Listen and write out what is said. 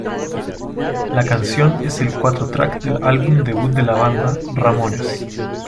La canción es el cuatro track del álbum debut de la banda, "Ramones".